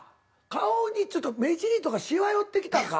顔にちょっと目尻とかシワ寄ってきたか。